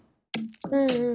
うんうん。